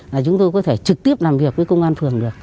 là chúng tôi có thể trực tiếp làm việc với công an phường được